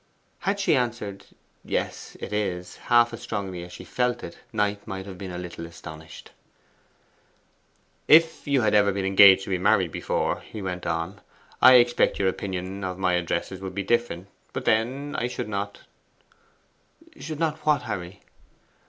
Had she answered, 'Yes, it is,' half as strongly as she felt it, Knight might have been a little astonished. 'If you had ever been engaged to be married before,' he went on, 'I expect your opinion of my addresses would be different. But then, I should not ' 'Should not what, Harry?